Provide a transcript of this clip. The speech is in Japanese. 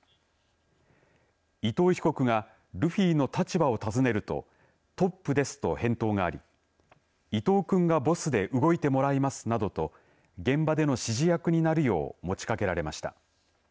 伊藤被告がルフィの立場を尋ねるとトップですと返答があり伊藤君がボスで動いてもらいますなどと現場での指示役になるよう持ちかけられました。